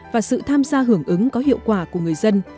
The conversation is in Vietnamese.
và sự tham gia hưởng ứng có hiệu quả của người dân